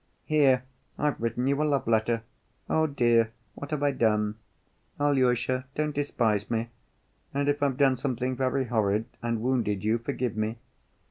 "Here I've written you a love‐letter. Oh, dear, what have I done? Alyosha, don't despise me, and if I've done something very horrid and wounded you, forgive me.